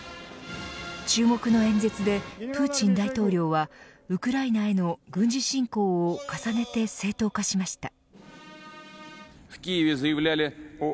注目の演説でプーチン大統領はウクライナへの軍事侵攻を重ねて正当化しました。